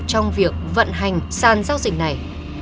trong việc vận hành sàn giao dịch này